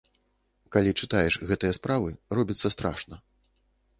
Калі чытаеш гэтыя справы, робіцца страшна.